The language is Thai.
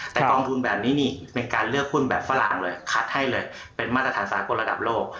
แต่กองทุนแบบนี้นี่เป็นการเลือกหุ้นแบบฝรั่งเลยคัดให้เลยเป็นมาตรฐานสากลระดับโลก